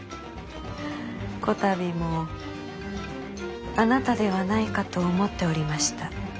こたびもあなたではないかと思っておりました。